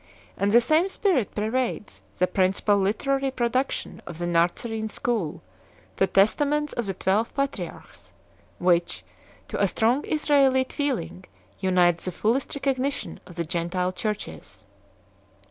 And the same spirit pervades the principal literary production of the Nazarene School, the "Testaments of the Twelve Patriarchs," which "to a strong Israelite feel ing unites the fullest recognition of the Gentile Churches 4